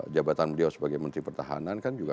jabatan beliau sebagai menteri pertahanan kan juga